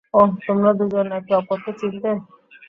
ওহ, তোমরা দুজন একে অপরকে চিনতে?